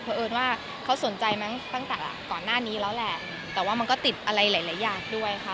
เพราะเอิญว่าเขาสนใจมั้งตั้งแต่ก่อนหน้านี้แล้วแหละแต่ว่ามันก็ติดอะไรหลายอย่างด้วยค่ะ